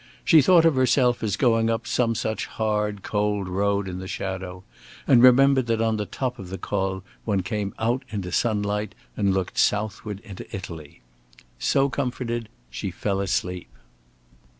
She thought of herself as going up some such hard, cold road in the shadow, and remembered that on the top of the Col one came out into sunlight and looked southward into Italy. So comforted a little, she fell asleep.